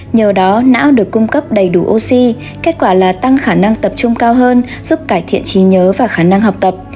nhờ đó não được cung cấp đầy đủ oxy kết quả là tăng khả năng tập trung cao hơn giúp cải thiện trí nhớ và khả năng học tập